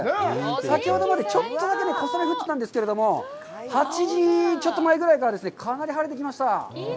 先ほどまで、ちょっとだけ小雨が降ってたんですけれども、８時ちょっと前ぐらいからかなり晴れてきました。